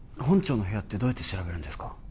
本庁の部屋ってどうやって調べるんですか？